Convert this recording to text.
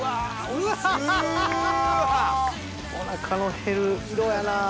おなかのへる色やなぁ。